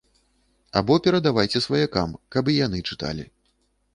Або перадавайце сваякам, каб і яны чыталі.